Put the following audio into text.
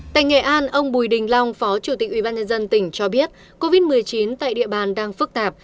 tại nghệ an ông bùi đình long phó chủ tịch ubnd tỉnh cho biết covid một mươi chín tại địa bàn đang phức tạp